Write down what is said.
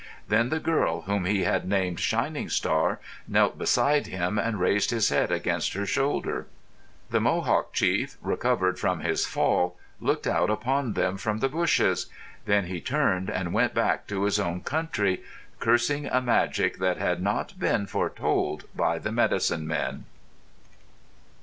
Then the girl whom he had named Shining Star knelt beside him and raised his head against her shoulder. The Mohawk chief, recovered from his fall, looked out upon them from the bushes. Then he turned and went back to his own country, cursing a magic that had not been foretold by the medicine men.